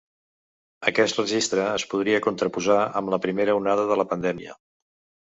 Aquest registre es podria contraposar amb la primera onada de la pandèmia.